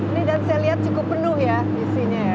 ini dan saya lihat cukup penuh ya isinya ya